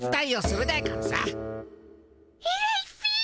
えらいっピ。